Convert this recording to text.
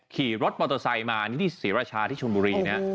ขี่รถมอเตอร์ไซค์มานี่ที่ศรีราชาที่ชนบุรีนะ